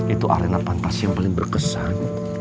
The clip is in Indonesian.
itu arena pantas yang paling berkesan